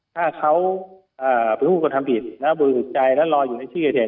ถ้าเขาผิดคุมกฎทำผิดแล้วบูรณ์สุขใจแล้วรออยู่ในที่เกิดเหตุ